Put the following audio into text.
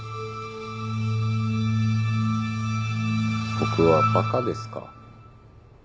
僕はバカですか？